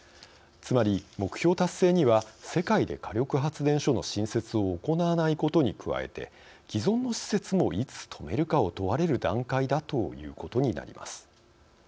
つまり、目標達成には世界で火力発電所の新設を行わないことに加えて既存の施設もいつ止めるかを問われる段階だということになります。